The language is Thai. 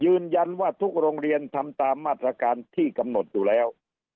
ยืนยันว่าทุกโรงเรียนทำตามมาตรการที่กำหนดอยู่แล้ว